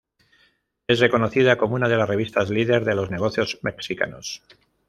Es reconocida como una de las revistas líder de los negocios mexicanos.